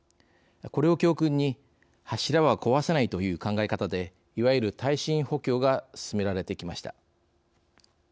これを教訓に、柱は壊さないという考え方でいわゆる、耐震補強が進められてきました。